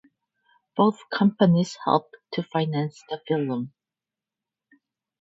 Both companies helped to finance the film.